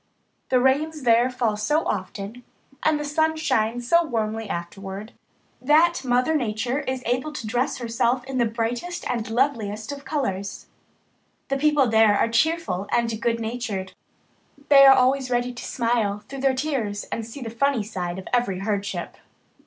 The rains there fall so often, and the sun shines so warmly afterward, that Mother Nature is able to dress herself in the brightest and loveliest of colours. The people there are cheerful and good natured. They are always ready to smile through their tears and see the funny side of every hardship.